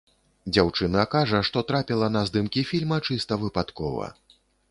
Дзяўчына кажа, што трапіла на здымкі фільма чыста выпадкова.